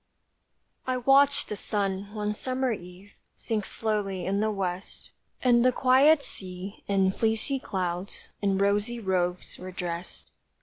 I watched the sun one summer eve Sink slowly in the west, And the quiet sea and fleecy clouds In rosy robes were dressed.